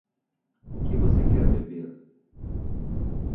O que você quer beber?